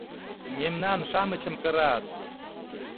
— Мемнан-шамычым кырат!